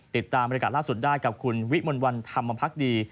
ติดตามบริการล่าสุดได้กับคุณวิมลวันธรรมพักดี